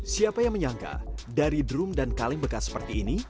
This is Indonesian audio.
siapa yang menyangka dari drum dan kaleng bekas seperti ini